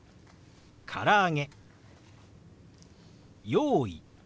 「用意」。